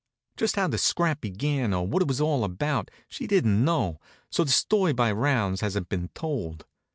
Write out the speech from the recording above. Just how the scrap began or what it was all about she didn't know, so the story by rounds hasn't been told.